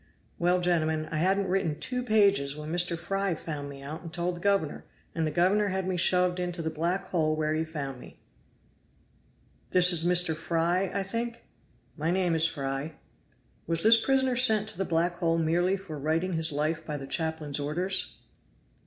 Well, gentlemen, I hadn't written two pages when Mr. Fry found me out and told the governor, and the governor had me shoved into the black hole where you found me." "This is Mr. Fry, I think?" "My name is Fry" "Was this prisoner sent to the black hole merely for writing his life by the chaplain's orders?"